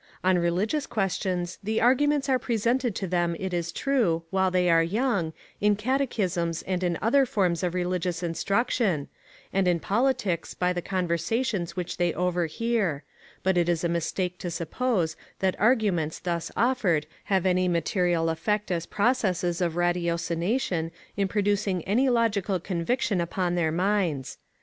On religious questions the arguments are presented to them, it is true, while they are young, in catechisms and in other forms of religious instruction, and in politics by the conversations which they overhear; but it is a mistake to suppose that arguments thus offered have any material effect as processes of ratiocination in producing any logical conviction upon their minds.